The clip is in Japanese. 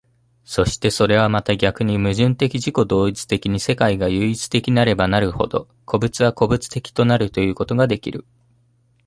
そしてそれはまた逆に矛盾的自己同一的に世界が唯一的なればなるほど、個物は個物的となるということができる。